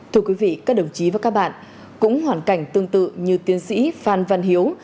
thưa quý vị các đồng chí và các bạn cũng hoàn cảnh tương tự như tiến sĩ phan văn hiếu